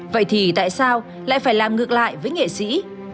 vậy thì tại sao lại phải làm ngược lại với nghệ sĩ